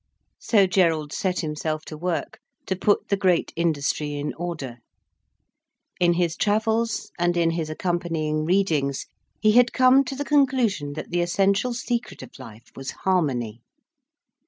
So Gerald set himself to work, to put the great industry in order. In his travels, and in his accompanying readings, he had come to the conclusion that the essential secret of life was harmony.